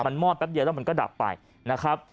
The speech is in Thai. มันมอดแป๊บเดียวแล้วมันก็ดับไปนะครับ